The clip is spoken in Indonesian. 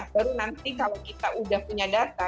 lalu nanti kalau kita udah punya data